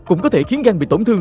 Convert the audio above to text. cũng có thể khiến gan bị tổn thương